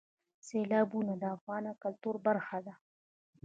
سیلابونه د افغانانو د ګټورتیا برخه ده.